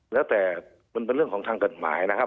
แล้วแต่มันเป็นเรื่องของทางกฎหมายนะครับ